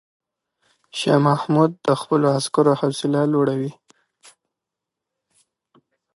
شاه محمود د خپلو عسکرو حوصله لوړوي.